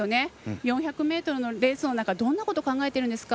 ４００ｍのレースの中どんなことを考えてるんですか？